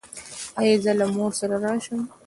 ایا زه له مور سره راشم؟